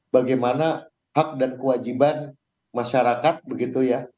bagaimana hak dan kewajiban masyarakat begitu ya